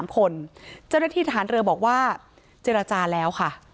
๒๓คนเจ้าเรียนที่ฐานเตอร์บอกว่าเจรจาแล้วค่ะ